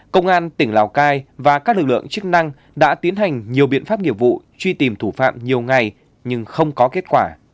công an tỉnh lào cai và các lực lượng chức năng đã tiến hành nhiều biện pháp nghiệp vụ truy tìm thủ phạm nhiều ngày nhưng không có kết quả